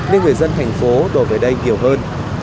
nên người dân thành phố đổ về đây nhiều hơn